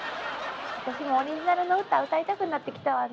私もオリジナルの歌歌いたくなってきたわね。